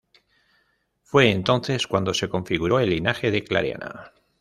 Fue entonces cuando se configuró el linaje de Clariana.